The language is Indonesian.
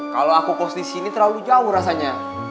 kalau aku cost di sini terlalu jauh rasanya